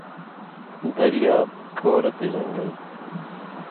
دریاب، کورہ تے زنٚگل